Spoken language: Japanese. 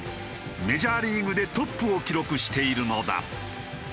メジャーリーグでトップを記録しているのだ。